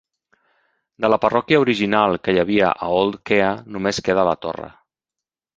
De la parròquia original que hi havia a Old Kea només queda la torre.